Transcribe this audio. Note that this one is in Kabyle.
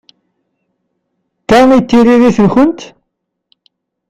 D ta i d tiririt-nkent?